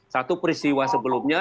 satu peristiwa sebetulnya